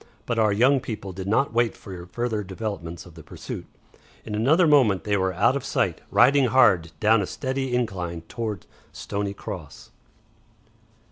But our young people did not wait for further developments of the pursuit. In another moment they were out of sight, riding hard down a steady incline towards Stoney Cross.